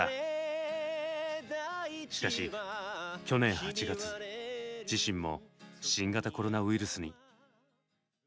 しかし去年８月自身も新型コロナウイルスに。